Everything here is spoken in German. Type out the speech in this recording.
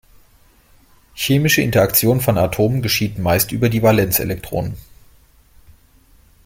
Chemische Interaktion von Atomen geschieht meist über die Valenzelektronen.